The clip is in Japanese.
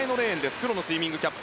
黒のスイミングキャップ。